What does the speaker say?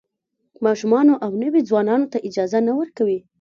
ماشومانو او نویو ځوانانو ته اجازه نه ورکوي.